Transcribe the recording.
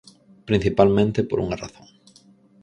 Principalmente por unha razón.